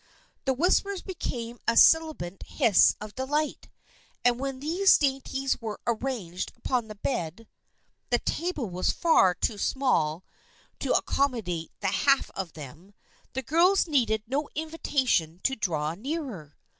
The whispers became a sibilant hiss of delight, and when these dainties were arranged upon the bed (the table was far too small to accommodate the half of them), the girls needed no invitation to draw nearer.